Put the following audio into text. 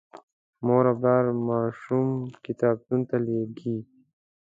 مور او پلار ماشوم کتابتون ته لیږي.